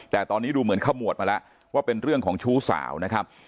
แต่ตอนนี้ดูเหมือนขมวดมาแล้วว่าเป็นเรื่องของชู้สาวนะครับ